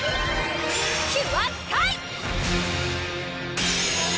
キュアスカイ！